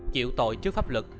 chịu tội trước pháp lực